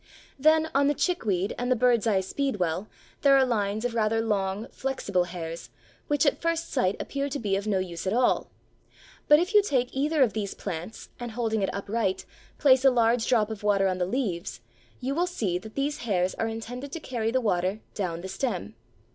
Then on the Chickweed and the Bird's eye Speedwell there are lines of rather long, flexible hairs which at first sight appear to be of no use at all. But if you take either of these plants, and, holding it upright, place a large drop of water on the leaves, you will see that these hairs are intended to carry the water down the stem.